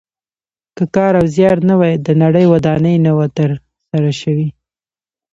که کار او زیار نه وای د نړۍ ودانۍ نه وه تر سره شوې.